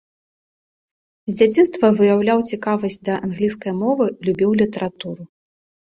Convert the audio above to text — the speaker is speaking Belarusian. З дзяцінства выяўляў цікавасць да англійскай мовы, любіў літаратуру.